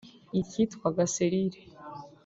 icyitwaga Selile